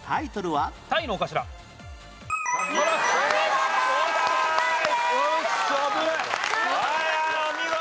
はいはいお見事。